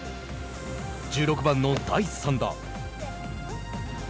１６番の第３打。